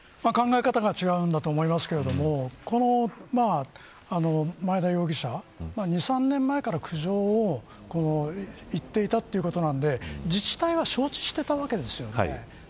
考え方が違うんだと思いますけどこの前田容疑者は２、３年前から苦情を言っていたということなんで自治体は承知していたわけですよね。